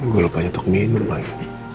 gue lupa untuk minum lagi